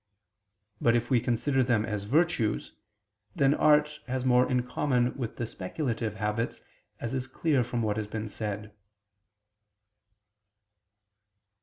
But if we consider them as virtues, then art has more in common with the speculative habits, as is clear from what has been said.